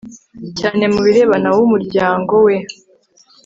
cyane mu birebana n'umuryango we